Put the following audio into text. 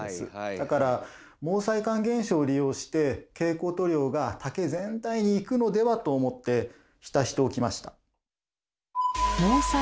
だから毛細管現象を利用して蛍光塗料が竹全体にいくのではと思って浸しておきました。